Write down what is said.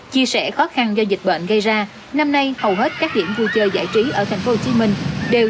chia sẻ khó khăn do dịch bệnh gây ra năm nay hầu hết các điểm vui chơi giải trí ở tp hcm đều